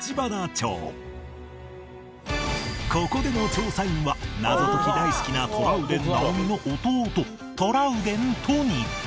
ここでの調査員は謎解き大好きなトラウデン直美の弟トラウデン都仁